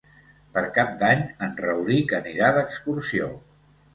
Per Cap d'Any en Rauric anirà d'excursió.